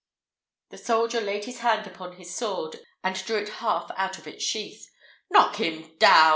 The soldier laid his hand upon his sword and drew it half out of its sheath. "Knock him down!